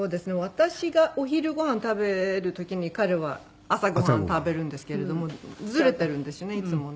私がお昼ご飯食べる時に彼は朝ご飯食べるんですけれどもずれてるんですね